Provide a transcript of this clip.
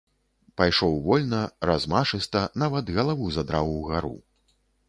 Пайшоў вольна, размашыста, нават галаву задраў угару.